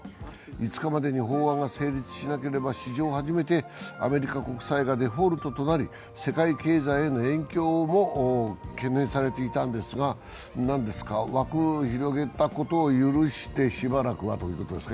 ５日までに法案が成立しなければ史上初めて、アメリカ国債がデフォルトとなり世界経済への影響も懸念されていたんですが、なんですか、枠広げたことを許してしばらくはということですか？